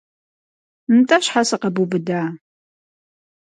НтӀэ щхьэ сыкъэбубыда?